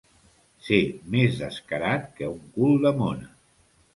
Ser més descarat que un cul de mona.